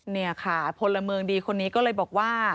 นี่ค่ะพลเมืองดีคนนี้ก็เลยบอกว่า